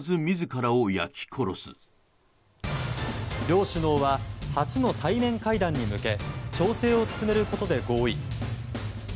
両首脳は初の対面会談に向け調整を進めることで合意。